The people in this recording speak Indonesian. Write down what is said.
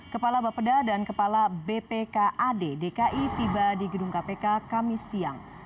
kepala bapeda dan kepala bpkad dki tiba di gedung kpk kamis siang